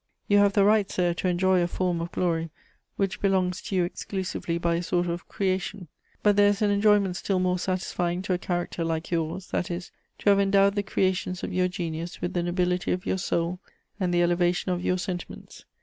"You have the right, Sir, to enjoy a form of glory which belongs to you exclusively by a sort of creation; but there is an enjoyment still more satisfying to a character like yours, that is, to have endowed the creations of your genius with the nobility of your soul and the elevation of your sentiments.